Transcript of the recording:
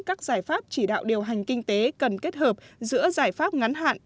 các giải pháp chỉ đạo điều hành kinh tế cần kết hợp giữa giải pháp ngắn hạn